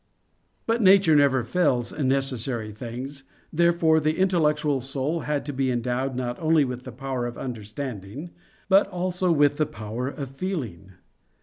But nature never fails in necessary things: therefore the intellectual soul had to be endowed not only with the power of understanding, but also with the power of feeling.